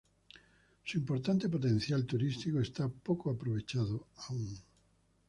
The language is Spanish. Su importante potencial turístico está poco aprovechado aún.